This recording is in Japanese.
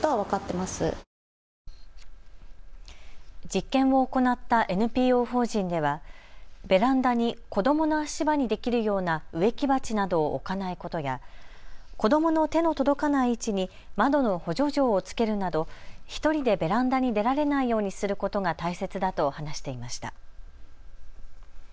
実験を行ったＮＰＯ法人ではベランダに子どもの足場にできるような植木鉢などを置かないことや、子どもの手の届かない位置に窓の補助錠をつけるなど１人でベランダに出られないようにすることが大切だと話していました。